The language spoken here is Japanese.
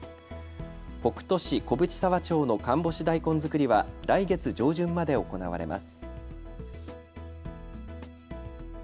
北杜市小淵沢町の寒干し大根作りは来月上旬まで行われます。